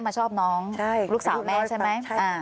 มาชอบน้องลูกสาวแม่ใช่ไหม